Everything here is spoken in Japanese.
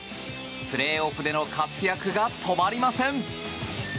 プレーオフでの活躍が止まりません。